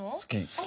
好き。